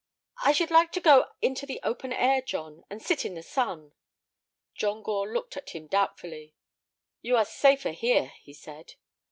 "I should like to go into the open air, John, and sit in the sun." John Gore looked at him doubtfully. "You are safer here," he said.